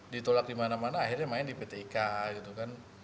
ditolak dimana mana akhirnya main di pt ika gitu kan